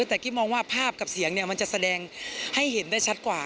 แต่กิ๊บมองว่าภาพกับเสียงเนี่ยมันจะแสดงให้เห็นได้ชัดกว่า